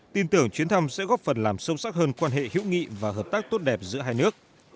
tin tưởng chuyến thăm sẽ góp phần làm sâu sắc hơn quan hệ hữu nghị và hợp tác tốt đẹp giữa hai nước